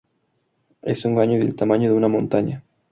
Es un gallo del tamaño de una montaña.